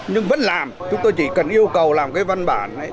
nhưng vẫn làm chúng tôi chỉ cần yêu cầu làm cái văn bản